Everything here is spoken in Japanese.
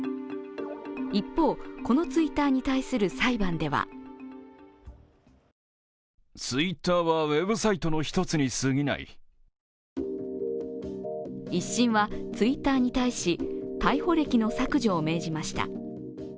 一方、このツイッターに対する裁判では１審はツイッターに対し、逮捕歴の削除を命じました。